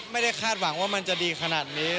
คาดหวังว่ามันจะดีขนาดนี้